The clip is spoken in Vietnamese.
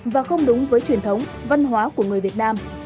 và không đúng với truyền thống văn hóa của người việt nam